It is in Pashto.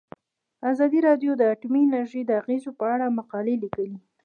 ازادي راډیو د اټومي انرژي د اغیزو په اړه مقالو لیکلي.